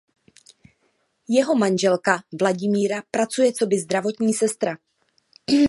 Jeho manželka Vladimíra pracuje coby zdravotní sestra.